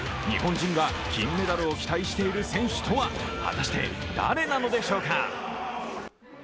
日本人が金メダルを期待している選手とは、果たして誰なのでしょうか。